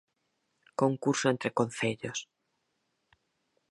Concurso entre concellos.